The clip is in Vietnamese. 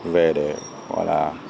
về để gọi là